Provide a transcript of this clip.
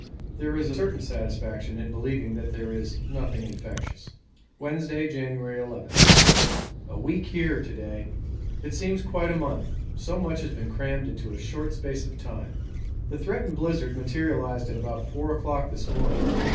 There is a certain satisfaction in believing that there is nothing infectious. Wednesday, January ll. A week here to day it seems quite a month, so much has been crammed into a short space of time. The threatened blizzard materialised at about four o'clock this morning.